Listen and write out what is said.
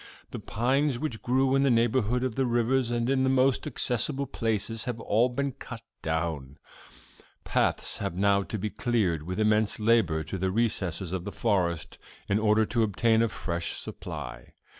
The pines which grew in the neighborhood of the rivers and in the most accessible places have all been cut down. Paths have now to be cleared with immense labor to the recesses of the forest, in order to obtain a fresh supply.